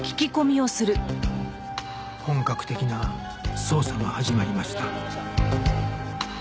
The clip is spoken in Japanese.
本格的な捜査が始まりました